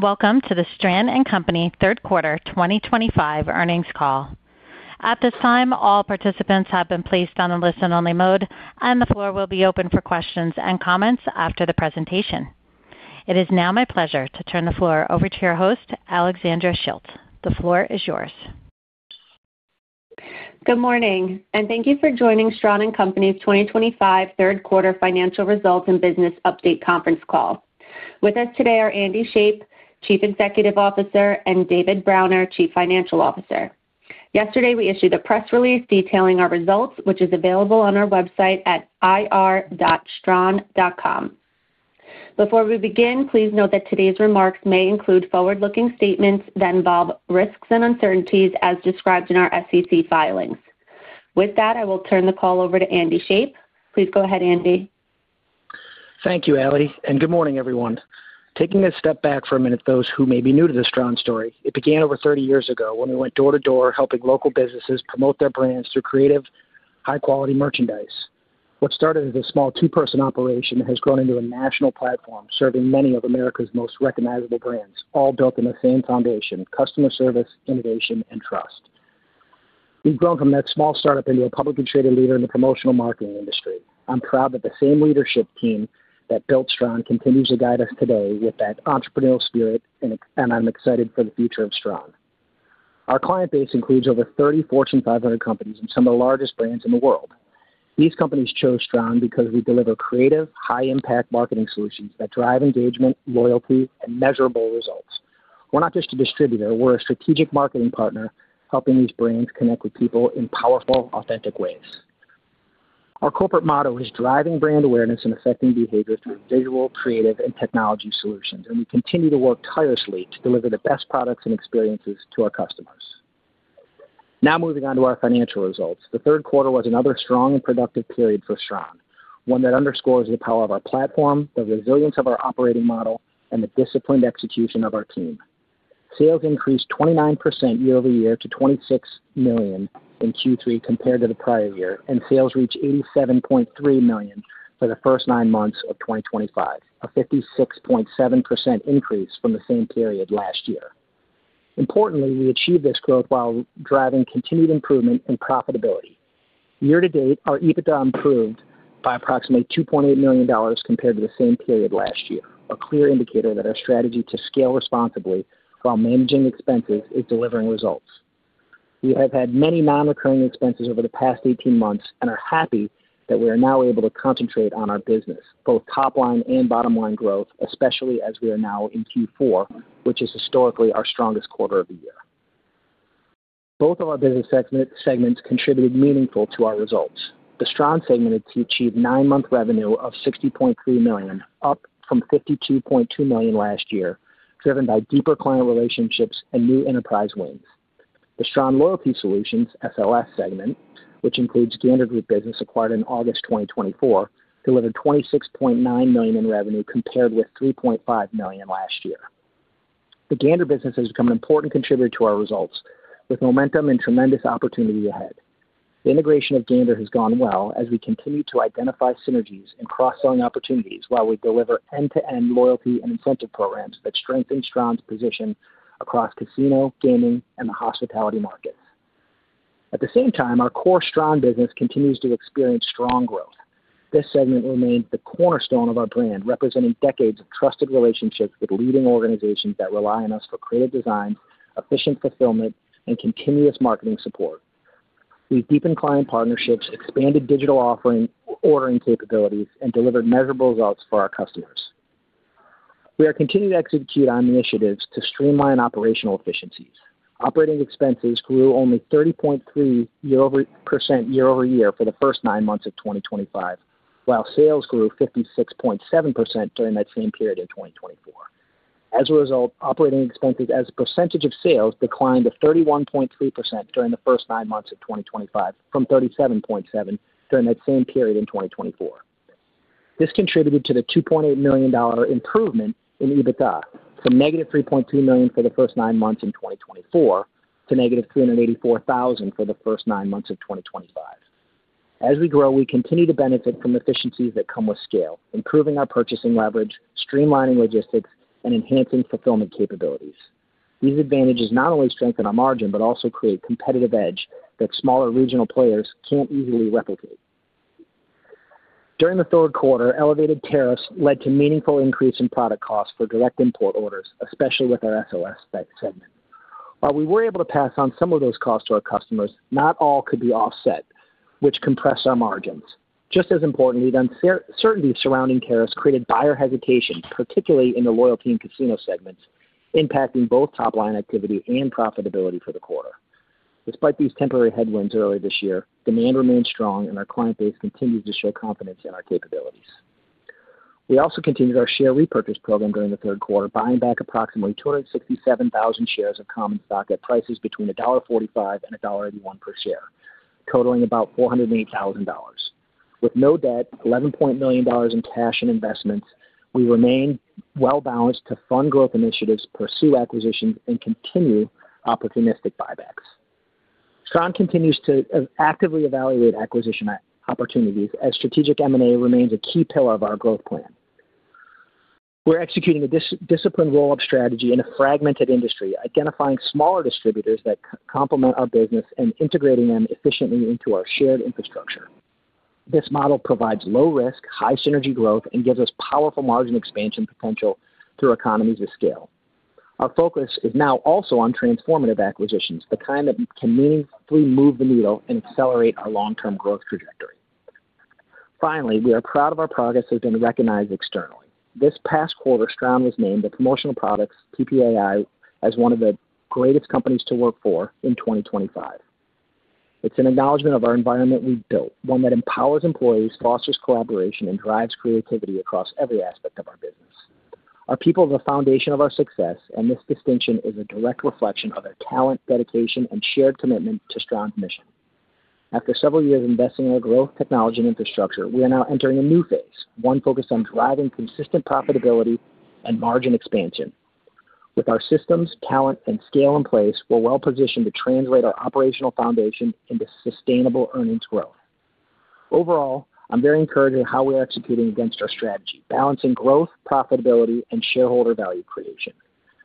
Welcome to the Stran & Company third quarter 2025 earnings call. At this time, all participants have been placed on a listen-only mode, and the floor will be open for questions and comments after the presentation. It is now my pleasure to turn the floor over to your host, Alexandra Schilt. The floor is yours. Good morning, and thank you for joining Stran & Company's 2025 third quarter financial results and business update conference call. With us today are Andy Shape, Chief Executive Officer, and David Browner, Chief Financial Officer. Yesterday, we issued a press release detailing our results, which is available on our website at ir.stran.com. Before we begin, please note that today's remarks may include forward-looking statements that involve risks and uncertainties, as described in our SEC filings. With that, I will turn the call over to Andy Shape. Please go ahead, Andy. Thank you, Ale, and good morning, everyone. Taking a step back for a minute, those who may be new to the Stran story, it began over 30 years ago when we went door-to-door helping local businesses promote their brands through creative, high-quality merchandise. What started as a small two-person operation has grown into a national platform serving many of America's most recognizable brands, all built on the same foundation: customer service, innovation, and trust. We've grown from that small startup into a publicly traded leader in the promotional marketing industry. I'm proud that the same leadership team that built Stran continues to guide us today with that entrepreneurial spirit, and I'm excited for the future of Stran. Our client base includes over 30 Fortune 500 companies and some of the largest brands in the world. These companies chose Stran because we deliver creative, high-impact marketing solutions that drive engagement, loyalty, and measurable results. We're not just a distributor; we're a strategic marketing partner, helping these brands connect with people in powerful, authentic ways. Our corporate motto is driving brand awareness and affecting behavior through visual, creative, and technology solutions, and we continue to work tirelessly to deliver the best products and experiences to our customers. Now, moving on to our financial results, the third quarter was another strong and productive period for Stran, one that underscores the power of our platform, the resilience of our operating model, and the disciplined execution of our team. Sales increased 29% year-over-year to $26 million in Q3 compared to the prior year, and sales reached $87.3 million for the first nine months of 2025, a 56.7% increase from the same period last year. Importantly, we achieved this growth while driving continued improvement and profitability. Year to date, our EBITDA improved by approximately $2.8 million compared to the same period last year, a clear indicator that our strategy to scale responsibly while managing expenses is delivering results. We have had many non-recurring expenses over the past 18 months and are happy that we are now able to concentrate on our business, both top-line and bottom-line growth, especially as we are now in Q4, which is historically our strongest quarter of the year. Both of our business segments contributed meaningfully to our results. The Stran segment achieved nine-month revenue of $60.3 million, up from $52.2 million last year, driven by deeper client relationships and new enterprise wins. The Stran Loyalty Solutions (SLS) segment, which includes Gander Group Business, acquired in August 2024, delivered $26.9 million in revenue compared with $3.5 million last year. The Gander business has become an important contributor to our results, with momentum and tremendous opportunity ahead. The integration of Gander has gone well as we continue to identify synergies and cross-selling opportunities while we deliver end-to-end loyalty and incentive programs that strengthen Stran's position across casino, gaming, and the hospitality markets. At the same time, our core Stran business continues to experience strong growth. This segment remains the cornerstone of our brand, representing decades of trusted relationships with leading organizations that rely on us for creative designs, efficient fulfillment, and continuous marketing support. We've deepened client partnerships, expanded digital ordering capabilities, and delivered measurable results for our customers. We are continuing to execute on initiatives to streamline operational efficiencies. Operating expenses grew only 30.3% year-over-year for the first nine months of 2025, while sales grew 56.7% during that same period in 2024. As a result, operating expenses as a percentage of sales declined to 31.3% during the first nine months of 2025 from 37.7% during that same period in 2024. This contributed to the $2.8 million improvement in EBITDA from negative $3.2 million for the first nine months in 2024 to negative $384,000 for the first nine months of 2025. As we grow, we continue to benefit from efficiencies that come with scale, improving our purchasing leverage, streamlining logistics, and enhancing fulfillment capabilities. These advantages not only strengthen our margin but also create a competitive edge that smaller regional players cannot easily replicate. During the third quarter, elevated tariffs led to a meaningful increase in product costs for direct import orders, especially with our SLS segment. While we were able to pass on some of those costs to our customers, not all could be offset, which compressed our margins. Just as importantly, the uncertainty surrounding tariffs created buyer hesitation, particularly in the loyalty and casino segments, impacting both top-line activity and profitability for the quarter. Despite these temporary headwinds earlier this year, demand remained strong, and our client base continues to show confidence in our capabilities. We also continued our share repurchase program during the third quarter, buying back approximately 267,000 shares of common stock at prices between $1.45 and $1.81 per share, totaling about $408,000. With no debt, $11 million in cash and investments, we remain well-balanced to fund growth initiatives, pursue acquisitions, and continue opportunistic buybacks. Stran & Company continues to actively evaluate acquisition opportunities, as strategic M&A remains a key pillar of our growth plan. We're executing a disciplined roll-up strategy in a fragmented industry, identifying smaller distributors that complement our business and integrating them efficiently into our shared infrastructure. This model provides low-risk, high-synergy growth, and gives us powerful margin expansion potential through economies of scale. Our focus is now also on transformative acquisitions, the kind that can meaningfully move the needle and accelerate our long-term growth trajectory. Finally, we are proud of our progress that has been recognized externally. This past quarter, Stran was named by PPAI as one of the greatest companies to work for in 2025. It's an acknowledgment of our environment we've built, one that empowers employees, fosters collaboration, and drives creativity across every aspect of our business. Our people are the foundation of our success, and this distinction is a direct reflection of their talent, dedication, and shared commitment to Stran's mission. After several years investing in our growth, technology, and infrastructure, we are now entering a new phase, one focused on driving consistent profitability and margin expansion. With our systems, talent, and scale in place, we're well-positioned to translate our operational foundation into sustainable earnings growth. Overall, I'm very encouraged with how we are executing against our strategy, balancing growth, profitability, and shareholder value creation.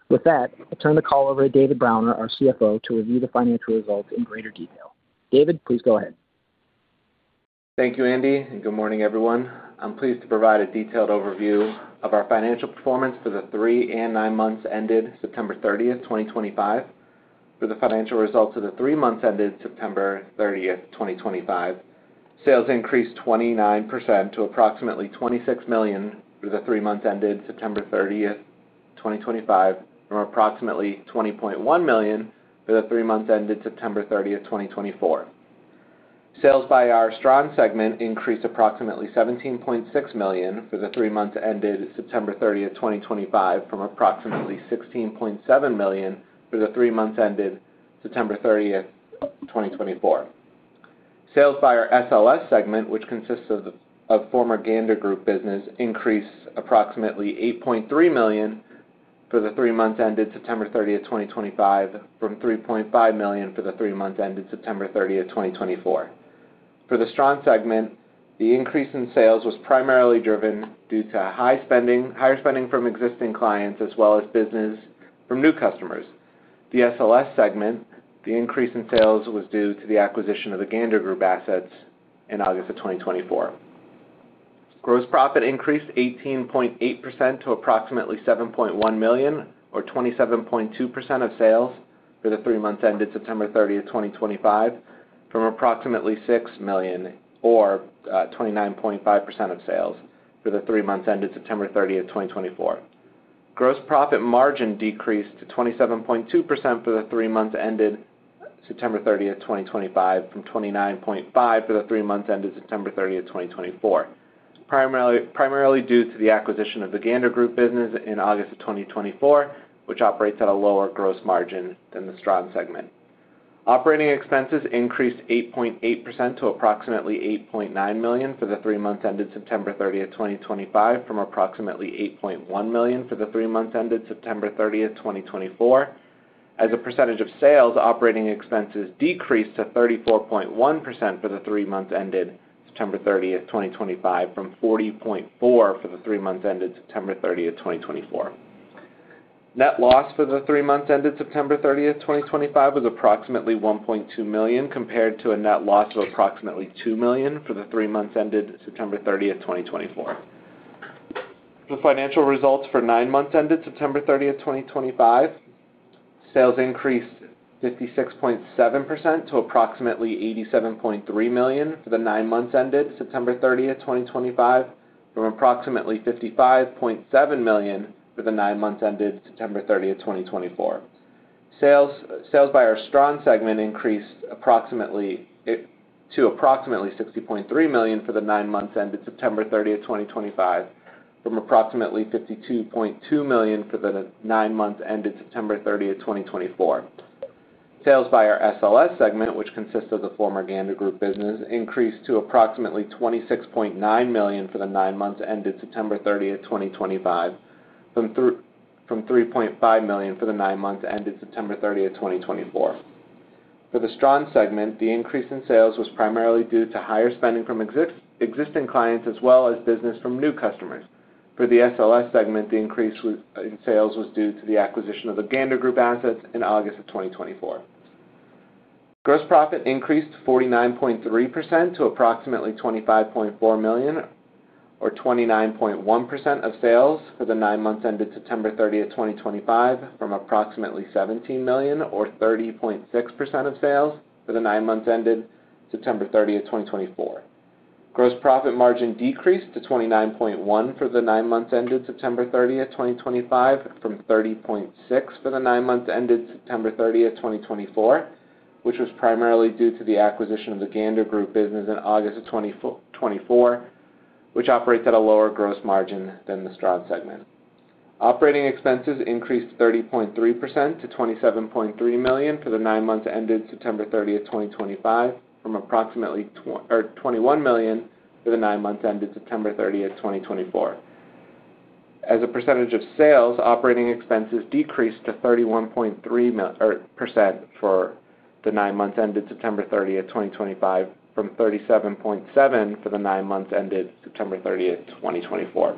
With that, I'll turn the call over to David Browner, our CFO, to review the financial results in greater detail. David, please go ahead. Thank you, Andy, and good morning, everyone. I'm pleased to provide a detailed overview of our financial performance for the three and nine months ended September 30th, 2025. For the financial results of the three months ended September 30th, 2025, sales increased 29% to approximately $26 million for the three months ended September 30th, 2025, from approximately $20.1 million for the three months ended September 30th, 2024. Sales by our Stran segment increased approximately $17.6 million for the three months ended September 30th, 2025, from approximately $16.7 million for the three months ended September 30th, 2024. Sales by our SLS segment, which consists of former Gander Group business, increased approximately $8.3 million for the three months ended September 30th, 2025, from $3.5 million for the three months ended September 30th, 2024. For the Stran segment, the increase in sales was primarily driven due to higher spending from existing clients as well as business from new customers. The SLS segment, the increase in sales was due to the acquisition of the Gander Group assets in August of 2024. Gross profit increased 18.8% to approximately $7.1 million, or 27.2% of sales for the three months ended September 30th, 2025, from approximately $6 million, or 29.5% of sales for the three months ended September 30th, 2024. Gross profit margin decreased to 27.2% for the three months ended September 30th, 2025, from 29.5% for the three months ended September 30th, 2024, primarily due to the acquisition of the Gander Group business in August of 2024, which operates at a lower gross margin than the Stran segment. Operating expenses increased 8.8% to approximately $8.9 million for the three months ended September 30th, 2025, from approximately $8.1 million for the three months ended September 30th, 2024. As a percentage of sales, operating expenses decreased to 34.1% for the three months ended September 30th, 2025, from 40.4% for the three months ended September 30th, 2024. Net loss for the three months ended September 30th, 2025, was approximately $1.2 million compared to a net loss of approximately $2 million for the three months ended September 30th, 2024. The financial results for nine months ended September 30th, 2025: sales increased 56.7% to approximately $87.3 million for the nine months ended September 30th, 2025, from approximately $55.7 million for the nine months ended September 30th, 2024. Sales by our Stran segment increased to approximately $60.3 million for the nine months ended September 30th, 2025, from approximately $52.2 million for the nine months ended September 30th, 2024. Sales by our SLS segment, which consists of the former Gander Group business, increased to approximately $26.9 million for the nine months ended September 30th, 2025, from $3.5 million for the nine months ended September 30th, 2024. For the Stran segment, the increase in sales was primarily due to higher spending from existing clients as well as business from new customers. For the SLS segment, the increase in sales was due to the acquisition of the Gander Group assets in August of 2024. Gross profit increased 49.3% to approximately $25.4 million, or 29.1% of sales for the nine months ended September 30th, 2025, from approximately $17 million, or 30.6% of sales for the nine months ended September 30th, 2024. Gross profit margin decreased to 29.1% for the nine months ended September 30th, 2025, from 30.6% for the nine months ended September 30th, 2024, which was primarily due to the acquisition of the Gander Group business in August of 2024, which operates at a lower gross margin than the Stran segment. Operating expenses increased 30.3% to $27.3 million for the nine months ended September 30th, 2025, from approximately $21 million for the nine months ended September 30th, 2024. As a percentage of sales, operating expenses decreased to 31.3% for the nine months ended September 30th, 2025, from 37.7% for the nine months ended September 30th, 2024.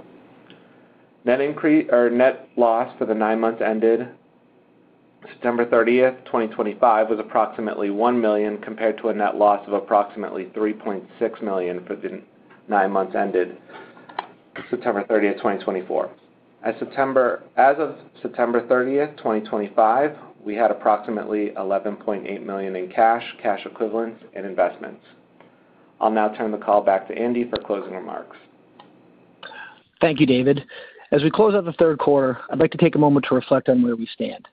Net loss for the nine months ended September 30th, 2025, was approximately $1 million compared to a net loss of approximately $3.6 million for the nine months ended September 30th, 2024. As of September 30th, 2025, we had approximately $11.8 million in cash, cash equivalents, and investments. I'll now turn the call back to Andy for closing remarks. Thank you, David. As we close out the third quarter, I'd like to take a moment to reflect on where we stand.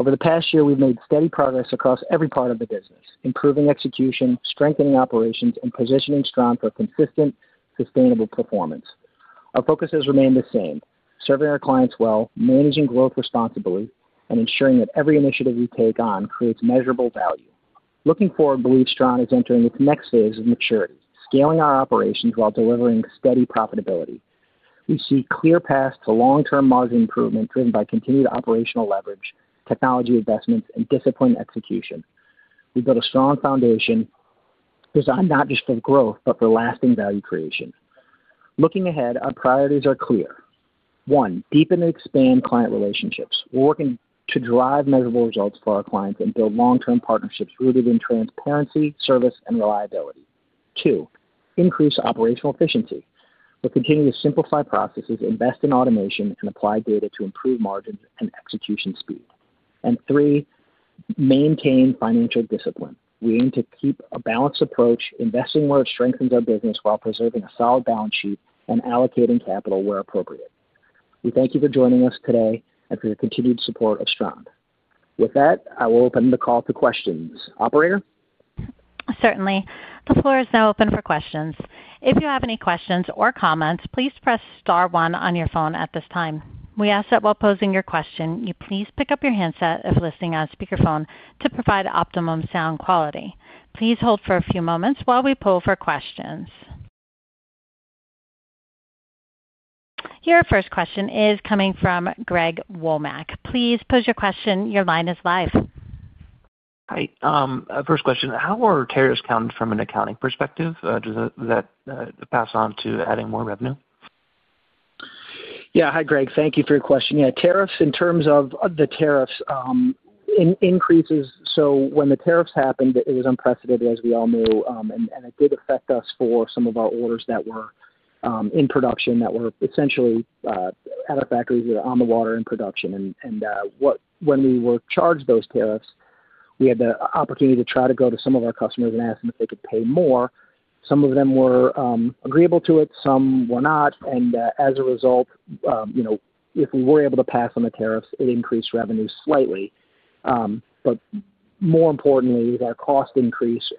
Over the past year, we've made steady progress across every part of the business, improving execution, strengthening operations, and positioning Stran for consistent, sustainable performance. Our focus has remained the same: serving our clients well, managing growth responsibly, and ensuring that every initiative we take on creates measurable value. Looking forward, we believe Stran is entering its next phase of maturity, scaling our operations while delivering steady profitability. We see a clear path to long-term margin improvement driven by continued operational leverage, technology investments, and disciplined execution. We built a strong foundation designed not just for growth but for lasting value creation. Looking ahead, our priorities are clear: one, deepen and expand client relationships. We're working to drive measurable results for our clients and build long-term partnerships rooted in transparency, service, and reliability. Two, increase operational efficiency. We'll continue to simplify processes, invest in automation, and apply data to improve margins and execution speed. Three, maintain financial discipline. We aim to keep a balanced approach, investing where it strengthens our business while preserving a solid balance sheet and allocating capital where appropriate. We thank you for joining us today and for your continued support of Stran. With that, I will open the call to questions. Operator? Certainly. The floor is now open for questions. If you have any questions or comments, please press star one on your phone at this time. We ask that while posing your question, you please pick up your handset if listening on speakerphone to provide optimum sound quality. Please hold for a few moments while we pull for questions. Your first question is coming from Greg Womack. Please pose your question. Your line is live. Hi. First question: how are tariffs counted from an accounting perspective? Does that pass on to adding more revenue? Yeah. Hi, Greg. Thank you for your question. Yeah. Tariffs, in terms of the tariffs, increases. When the tariffs happened, it was unprecedented, as we all knew, and it did affect us for some of our orders that were in production that were essentially out of factories or on the water in production. When we were charged those tariffs, we had the opportunity to try to go to some of our customers and ask them if they could pay more. Some of them were agreeable to it. Some were not. As a result, if we were able to pass on the tariffs, it increased revenue slightly. More importantly, our cost increased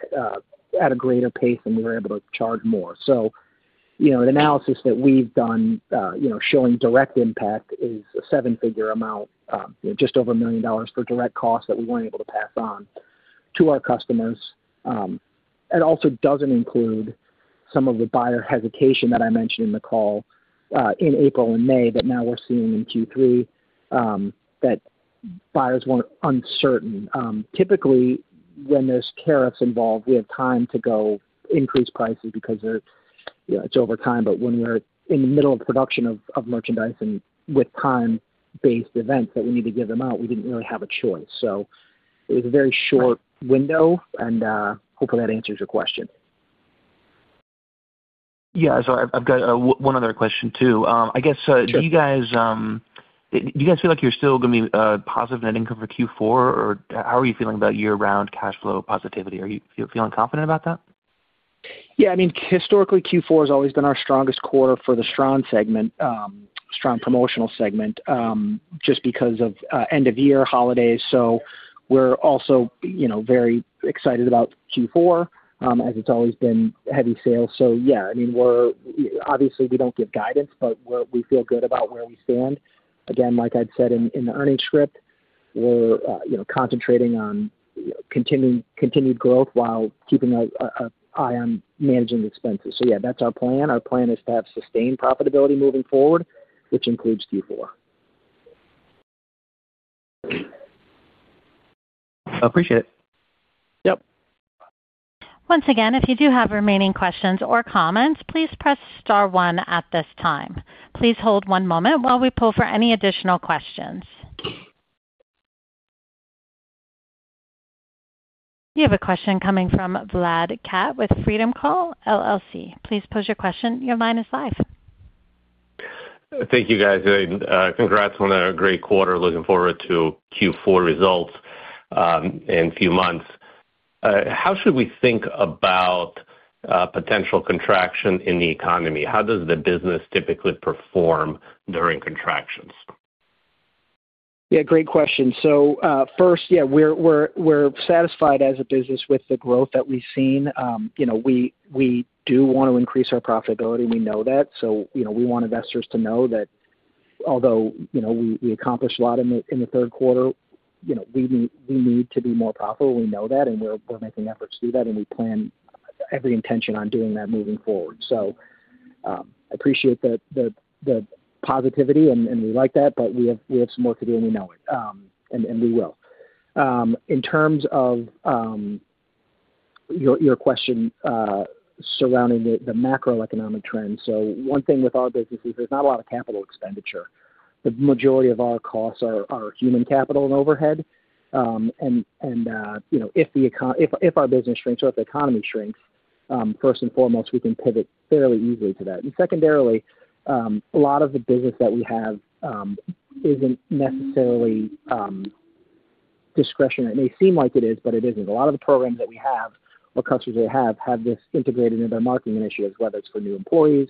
at a greater pace, and we were able to charge more. The analysis that we've done showing direct impact is a seven-figure amount, just over $1 million for direct costs that we weren't able to pass on to our customers. It also doesn't include some of the buyer hesitation that I mentioned in the call in April and May that now we're seeing in Q3, that buyers weren't uncertain. Typically, when there's tariffs involved, we have time to go increase prices because it's over time. When we're in the middle of production of merchandise and with time-based events that we need to give them out, we didn't really have a choice. It was a very short window, and hopefully, that answers your question. Yeah. I've got one other question too, I guess. Sure. Do you guys feel like you're still going to be positive net income for Q4? Or how are you feeling about year-round cash flow positivity? Are you feeling confident about that? Yeah. I mean, historically, Q4 has always been our strongest quarter for the Stran segment, Stran promotional segment, just because of end-of-year holidays. We are also very excited about Q4, as it has always been heavy sales. Yeah, I mean, obviously, we do not give guidance, but we feel good about where we stand. Again, like I said in the earnings script, we are concentrating on continued growth while keeping an eye on managing expenses. Yeah, that is our plan. Our plan is to have sustained profitability moving forward, which includes Q4. I appreciate it. Yep. Once again, if you do have remaining questions or comments, please press star one at this time. Please hold one moment while we poll for any additional questions. You have a question coming from Vlad Kat with Freedom Calls LLC. Please pose your question. Your line is live. Thank you, guys. Congrats on a great quarter. Looking forward to Q4 results in a few months. How should we think about potential contraction in the economy? How does the business typically perform during contractions? Yeah. Great question. First, yeah, we're satisfied as a business with the growth that we've seen. We do want to increase our profitability. We know that. We want investors to know that although we accomplished a lot in the third quarter, we need to be more profitable. We know that, and we're making efforts to do that. We plan every intention on doing that moving forward. I appreciate the positivity, and we like that, but we have some work to do, and we know it, and we will. In terms of your question surrounding the macroeconomic trends, one thing with our business is there's not a lot of capital expenditure. The majority of our costs are human capital and overhead. If our business shrinks or if the economy shrinks, first and foremost, we can pivot fairly easily to that. Secondarily, a lot of the business that we have is not necessarily discretionary. It may seem like it is, but it is not. A lot of the programs that we have or customers that we have have this integrated into their marketing initiatives, whether it is for new employees,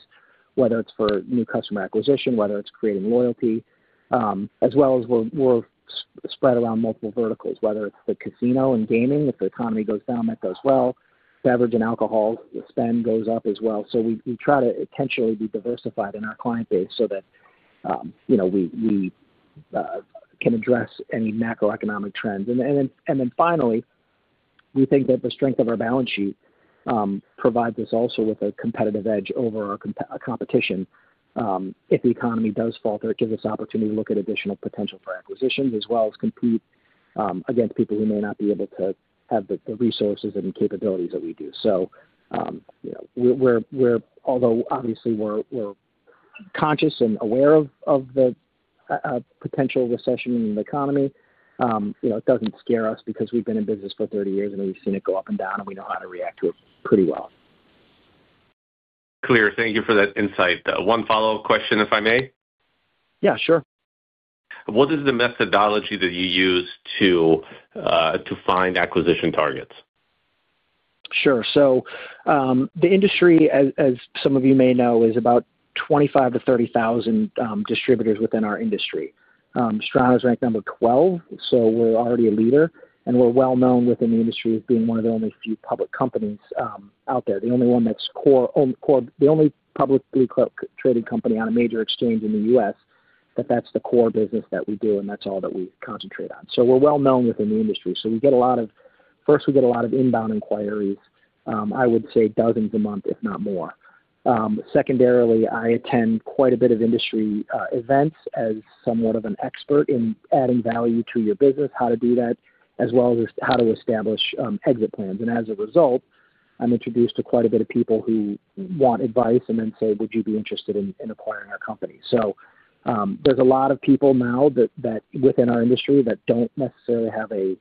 whether it is for new customer acquisition, whether it is creating loyalty, as well as we are spread around multiple verticals, whether it is the casino and gaming. If the economy goes down, that goes well. Beverage and alcohol spend goes up as well. We try to intentionally be diversified in our client base so that we can address any macroeconomic trends. Finally, we think that the strength of our balance sheet provides us also with a competitive edge over our competition. If the economy does falter, it gives us the opportunity to look at additional potential for acquisitions as well as compete against people who may not be able to have the resources and capabilities that we do. Although obviously we're conscious and aware of the potential recession in the economy, it doesn't scare us because we've been in business for 30 years, and we've seen it go up and down, and we know how to react to it pretty well. Clear. Thank you for that insight. One follow-up question, if I may? Yeah. Sure. What is the methodology that you use to find acquisition targets? Sure. The industry, as some of you may know, is about 25,000-30,000 distributors within our industry. Stran is ranked number 12, so we're already a leader. We're well known within the industry as being one of the only few public companies out there, the only one that's the only publicly traded company on a major exchange in the U.S., that that's the core business that we do, and that's all that we concentrate on. We're well known within the industry. We get a lot of first, we get a lot of inbound inquiries, I would say dozens a month, if not more. Secondarily, I attend quite a bit of industry events as somewhat of an expert in adding value to your business, how to do that, as well as how to establish exit plans. As a result, I'm introduced to quite a bit of people who want advice and then say, "Would you be interested in acquiring our company?" There are a lot of people now within our industry that do not necessarily have a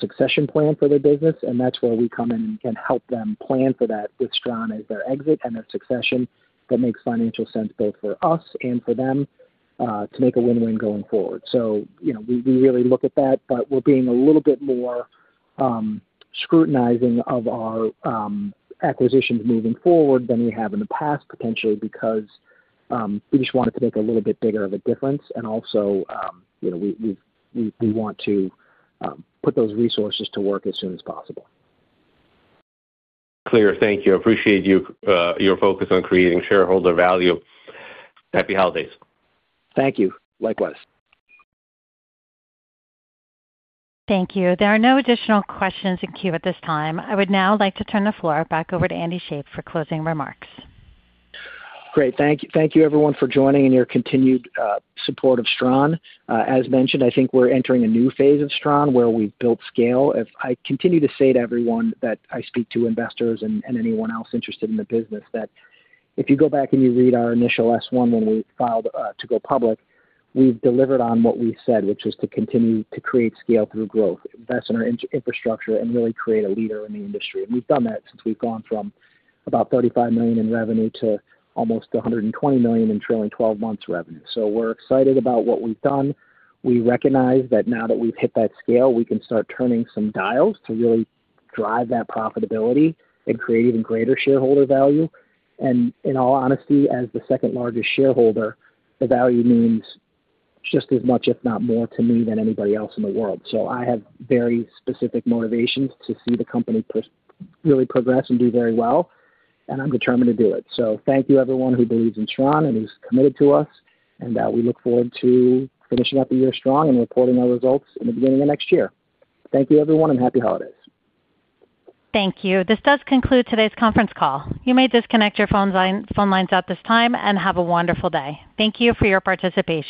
succession plan for their business. That is where we come in and can help them plan for that with Stran as their exit and their succession that makes financial sense both for us and for them to make a win-win going forward. We really look at that, but we are being a little bit more scrutinizing of our acquisitions moving forward than we have in the past, potentially, because we just wanted to make a little bit bigger of a difference. Also, we want to put those resources to work as soon as possible. Clear. Thank you. Appreciate your focus on creating shareholder value. Happy holidays. Thank you. Likewise. Thank you. There are no additional questions in queue at this time. I would now like to turn the floor back over to Andy Shape for closing remarks. Great. Thank you, everyone, for joining and your continued support of Stran. As mentioned, I think we're entering a new phase of Stran where we've built scale. I continue to say to everyone that I speak to, investors and anyone else interested in the business, that if you go back and you read our initial S1 when we filed to go public, we've delivered on what we said, which was to continue to create scale through growth, invest in our infrastructure, and really create a leader in the industry. We've done that since we've gone from about $35 million in revenue to almost $120 million in trailing 12 months' revenue. We're excited about what we've done. We recognize that now that we've hit that scale, we can start turning some dials to really drive that profitability and create even greater shareholder value. In all honesty, as the second-largest shareholder, the value means just as much, if not more, to me than anybody else in the world. I have very specific motivations to see the company really progress and do very well. I am determined to do it. Thank you, everyone who believes in Stran and who is committed to us. We look forward to finishing up the year strong and reporting our results in the beginning of next year. Thank you, everyone, and happy holidays. Thank you. This does conclude today's conference call. You may disconnect your phone lines at this time and have a wonderful day. Thank you for your participation.